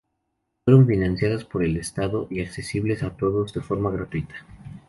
Fueron financiadas por el estado y accesibles a todos de forma gratuita.